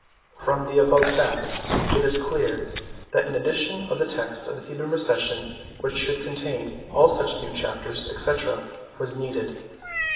From the above facts it is clear that an edition of the texts of the Theban Recension which should con tain all such new Chapters, etc., was needed.